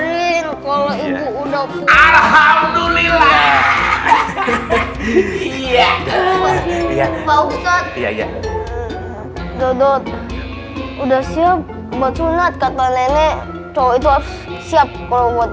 iya iya iya iya iya dodot udah siap buat sunat kata nenek cowok itu siap kalau buat